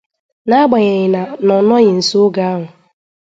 na-agbanyeghị na ọ nọghị nso oge ahụ